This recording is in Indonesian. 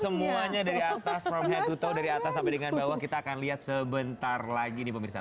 semuanya dari atas from head to dari atas sampai dengan bawah kita akan lihat sebentar lagi nih pemirsa